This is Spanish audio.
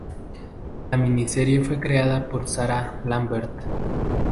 La miniserie fue creada por Sarah Lambert.